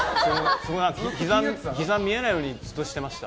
ひざ見えないようにずっとしてました。